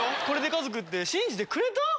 これで家族って信じてくれた？